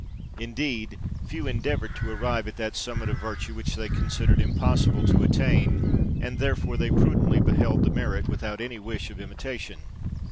Indeed, few endeavoured to arrive at that summit of virtue which they considered impossible to attain, and therefore they prudently beheld the merit without any wish of imitation.